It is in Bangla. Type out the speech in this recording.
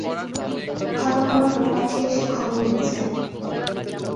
ঘন ঘন লোক পাঠিয়ে সে খবর নিয়েছে।